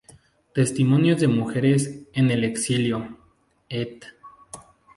Testimonios de mujeres en el exilio", Ed.